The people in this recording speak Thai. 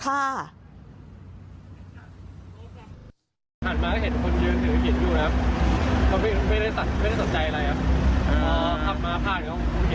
อ๋อขับมาพลาดเดี๋ยวต้องเข้าไปเห็นปลาดเลย